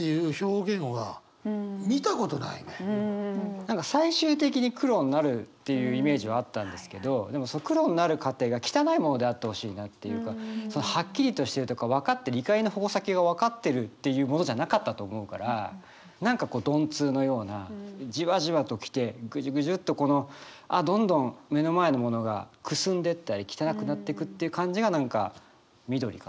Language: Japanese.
何か最終的に黒になるっていうイメージはあったんですけどでもその黒になる過程が汚いものであってほしいなっていうかはっきりとしてるとか分かってる怒りの矛先が分かってるっていうものじゃなかったと思うから何かこう鈍痛のようなジワジワと来てぐじゅぐじゅっとこのどんどん目の前のものがくすんでったり汚くなってくっていう感じが何か緑かなと思って。